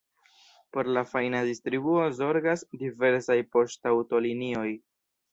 Por la fajna distribuo zorgas diversaj poŝtaŭtolinioj.